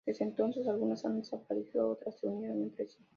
Desde entonces algunas han desaparecido, otras se unieron entre sí.